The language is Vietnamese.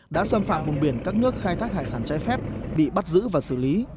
đã xâm phạm vùng biển các nước khai thác hải sản trái phép bị bắt giữ và xử lý